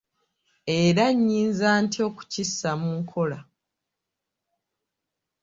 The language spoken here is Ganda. Era nnyinza ntya okukissa mu nkola?